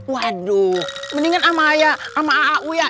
waduh mendingan sama ayah sama aau ya